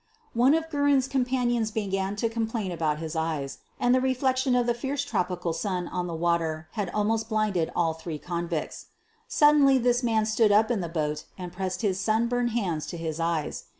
One of Guerin *s companions began to complain about his eyes, and the reflection of the fierce tropi cal sun on the water had almost blinded all three convicts. Suddenly this man stood up in the boat and pressed his sun burned hands to his eyes.